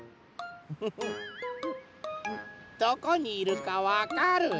どこにいるかわかる？